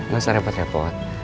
enggak usah repot repot